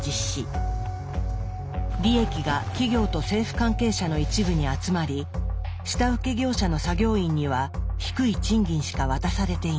利益が企業と政府関係者の一部に集まり下請け業者の作業員には低い賃金しか渡されていない。